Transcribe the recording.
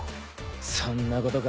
そんなことか。